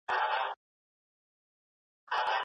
کورنۍ ئې دا حق لري، چي دا له هغه کاره وباسي.